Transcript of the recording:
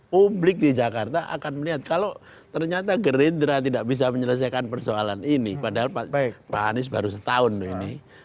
publik di jakarta akan melihat kalau ternyata gerindra tidak bisa menyelesaikan persoalan ini padahal pak anies baru setahun ini